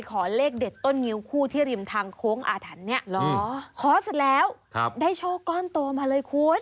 ขอเสร็จแล้วได้โชคก้อนโตมาเลยคุณ